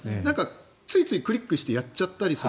ついついクリックしてやっちゃったりする。